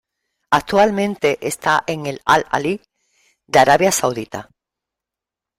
Actualmente está en el Al-Ahli de Arabia Saudita.